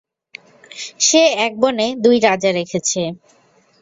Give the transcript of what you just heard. সে এক বনে দুই রাজা রেখেছে।